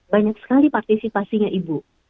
banyak sekali partisipasinya ibu